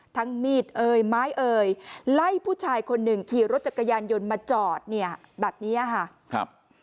มีดเอ่ยไม้เอ่ยไล่ผู้ชายคนหนึ่งขี่รถจักรยานยนต์มาจอดเนี่ยแบบเนี้ยค่ะครับ